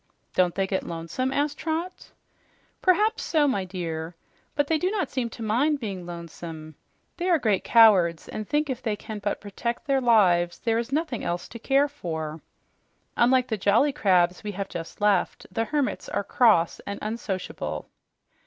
"Don't they get lonesome?" asked Trot. "Perhaps so, my dear. But they do not seem to mind being lonesome. They are great cowards, and think if they can but protect their lives there is nothing else to care for. Unlike the jolly crabs we have just left, the hermits are cross and unsociable."